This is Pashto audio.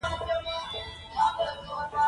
زموږ په پرتله هغوی لټ دي